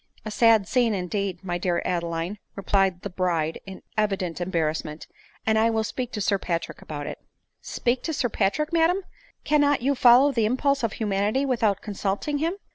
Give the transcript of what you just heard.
" A sad scene, indeed, my dear Adeline !" replied the bride in evident embarrasment, " and I will speak to Sir Patrick about it." w Speak to Sir Patrick, madam ! cannot you follow the impulse of humanity without consulting him ?"/^ 68 ADELINE MOWBRAY.